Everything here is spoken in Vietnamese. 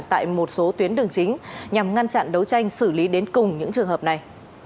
tại một số tuyến đường chính nhằm ngăn chặn đấu tranh xử lý đến cùng những trường hợp này